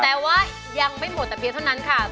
แต่ว่ายังไม่หมดแต่เพียงเท่านั้นค่ะ